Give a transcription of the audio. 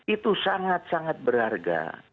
itu sangat sangat berharga